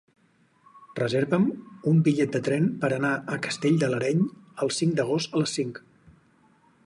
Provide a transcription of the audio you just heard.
Reserva'm un bitllet de tren per anar a Castell de l'Areny el cinc d'agost a les cinc.